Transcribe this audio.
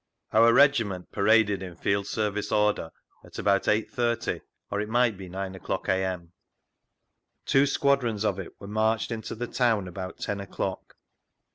Our Regiment paraded in field service order at about 8.30 or it might be 9 o'clock, a.m. Two squadrons of it were marched into the town about ten o'clock.